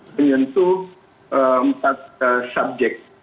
menyentuh empat subjek